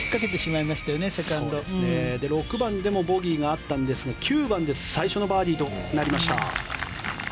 ６番でもボギーがあったんですが９番で最初のバーディーとなりました。